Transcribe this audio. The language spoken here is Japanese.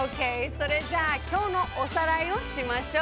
それじゃあきょうのおさらいをしましょう！